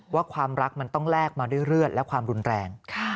ความรักมันต้องแลกมาด้วยเลือดและความรุนแรง